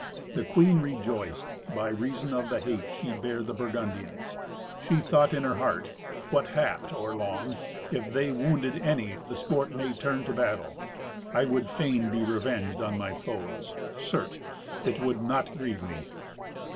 The queen rejoiced, by reason of the hate she bare the Burgundians. She thought in her heart,—what happed or long—"If they wounded any, the sport might turn to a battle. I would fain be revenged on my foes; certes, it would not grieve me."